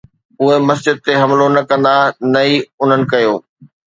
اهي مسجد تي حملو نه ڪندا، نه ئي انهن ڪيو